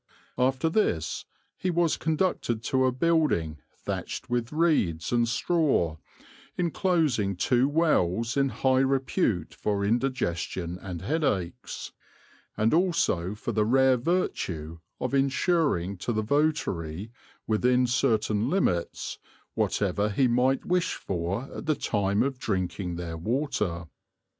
After this he was conducted to a building thatched with reeds and straw, inclosing two wells in high repute for indigestion and headaches; and also for the rare virtue of ensuring to the votary, within certain limits, whatever he might wish for at the time of drinking their water.